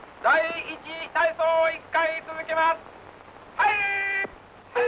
「はい！」。